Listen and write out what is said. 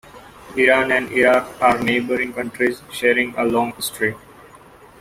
Iran and Iraq are neighboring countries, sharing a long history.